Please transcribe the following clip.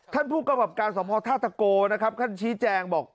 ท่านผู้กำหับการสมพท่าตะโกท่านชี้แจงบอก